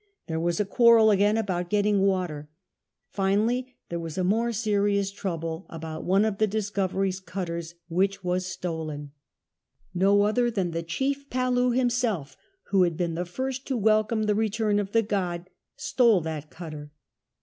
There was a quarrel again about getting water. Finally there was a more serious trouble about one of the IHscovet'ifs cuttera, which was stolen. No other than the chief !^alu himself, who had been the first to welcome the return of the god, stole that cutter.